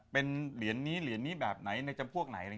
เป็นเหรียญนี้เท่านั้นในพวกไหน